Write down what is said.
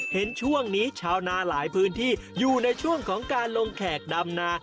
เห็นช่วงนี้ชาวนาหลายพื้นที่อยู่ในช่วงของการลงแขกดำนา